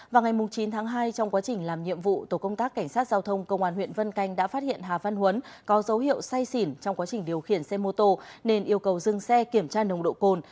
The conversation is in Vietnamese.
vào ngày chín tháng hai trong quá trình làm nhiệm vụ tổ công tác cảnh sát giao thông công an huyện vân canh đã phát hiện hà văn huấn có dấu hiệu say xỉn trong quá trình điều khiển xe mô tô nên yêu cầu dừng xe kiểm tra nồng độ cồn